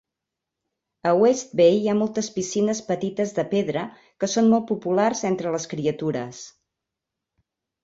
A West Bay hi ha moltes piscines petites de pedra, que són molt populars entre les criatures.